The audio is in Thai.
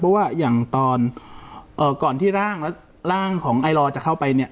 เพราะว่าอย่างตอนก่อนที่ร่างของไอรอจะเข้าไปเนี่ย